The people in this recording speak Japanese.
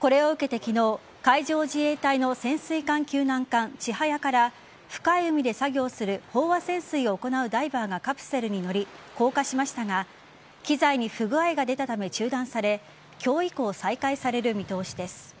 これを受けて昨日海上自衛隊の潜水艦救難艦「ちはや」から深い海で作業する飽和潜水を行うダイバーがカプセルに乗り降下しましたが機材に不具合が出たため中断され今日以降、再開される見通しです。